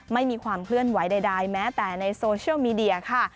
ไม่มีความเคลื่อนไหวใดแม้แต่ในโซเชียลมีเดียค่ะ